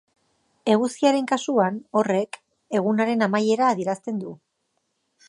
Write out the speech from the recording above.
Eguzkiaren kasuan, horrek, egunaren amaiera adierazten du.